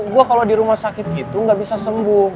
gua kalo di rumah sakit gitu gak bisa sembuh